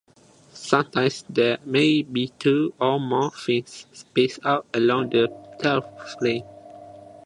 Sometimes there may be two or more fins, spaced out along the tailplane.